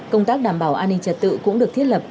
công tác đảm bảo an ninh trật tự cũng được thiết lập